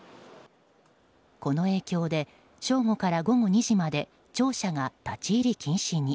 この影響で正午から午後２時まで庁舎が立ち入り禁止に。